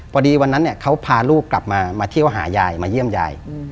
พอดีวันนั้นเขาพาลูกกลับมาเที่ยวหายายมาเยี่ยมยาย